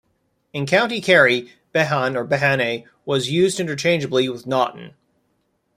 In County Kerry, Behan or Behane was used interchangeably with Naughton.